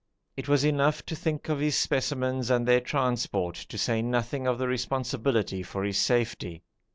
It was enough to think of his specimens and their transport, to say nothing of the responsibility for his safety.